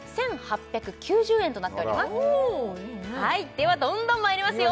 ではどんどんまいりますよ